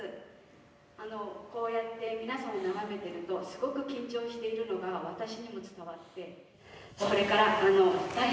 あのこうやって皆さんを眺めてるとすごく緊張しているのが私にも伝わって。